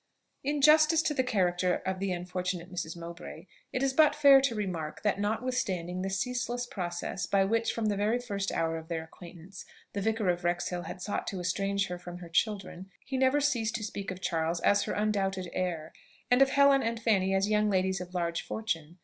In justice to the character of the unfortunate Mrs. Mowbray, it is but fair to remark, that notwithstanding the ceaseless process by which, from the very first hour of their acquaintance, the Vicar of Wrexhill had sought to estrange her from her children, he never ceased to speak of Charles as her undoubted heir, and of Helen and Fanny as young ladies of large fortune.